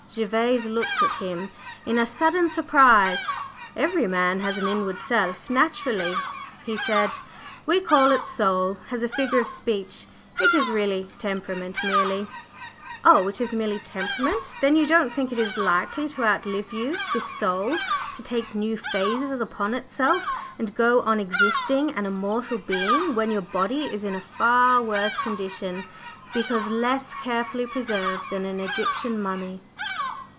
Gervase looked at him in a sudden surprise. "Every man has an inward self, naturally," he said. "We call it 'soul' as a figure of speech; it is really temperament merely." "Oh, it is merely temperament? Then you don't think it is likely to outlive you, this soul to take new phases upon itself and go on existing, an immortal being, when your body is in a far worse condition (because less carefully preserved) than an Egyptian mummy?"